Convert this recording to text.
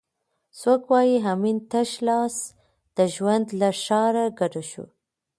څوک وایي امین تش لاس د ژوند له ښاره کډه شو؟